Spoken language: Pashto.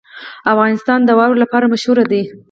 افغانستان د واوره لپاره مشهور دی.